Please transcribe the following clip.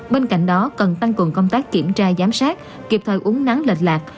bên cạnh đó cần tăng cường công tác kiểm tra giám sát kịp thời uống nắng lịch lạc